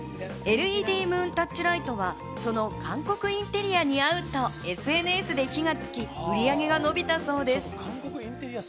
ＬＥＤムーンタッチライトはその韓国インテリアに合うとＳＮＳで火がつき売上が伸びたそうです。